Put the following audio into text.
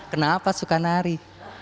kenapa suka nari